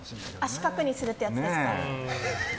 四角にするってやつですか？